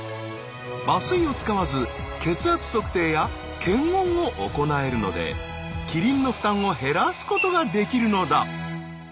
麻酔を使わず血圧測定や検温を行えるのでキリンの負担を減らすことができるのだ。